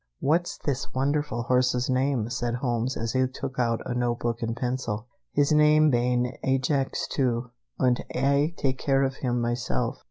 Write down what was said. What's this wonderful horse's name?" said Holmes, as he took out a notebook and pencil. "His name bane Ajax II, und Ay take care of him myself.